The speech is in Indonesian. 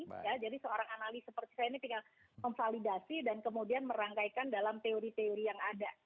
ya jadi seorang analis seperti saya ini tinggal memvalidasi dan kemudian merangkaikan dalam teori teori yang ada